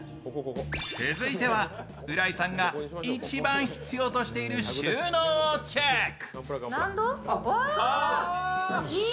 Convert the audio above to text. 続いては、浦井さんが一番必要としている収納をチェック。